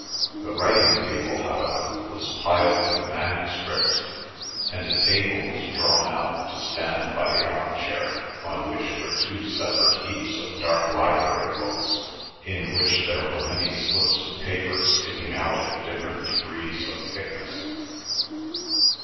The writing table, however, was piled with manuscript, and a table was drawn out to stand by the arm chair on which were two separate heaps of dark library books, in which there were many slips of paper sticking out at different degrees of thickness.